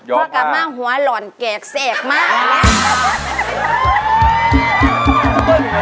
พ่อกล้องกล้าหัวหล่อนแกะแสกมากแล้ว